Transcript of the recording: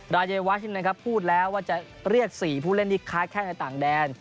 รายวัชนะครับพูดแล้วว่าจะเรียก๔ผู้เล่นที่ค้าแข้งในต่างแดน